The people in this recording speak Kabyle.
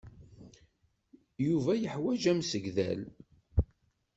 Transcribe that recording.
Yuba yeḥwaǧ amsegdal.